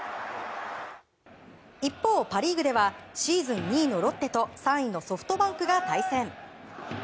一方、パ・リーグではシーズン２位のロッテと３位のソフトバンクが対戦。